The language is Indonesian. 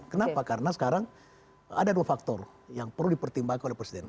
kenapa karena sekarang ada dua faktor yang perlu dipertimbangkan oleh presiden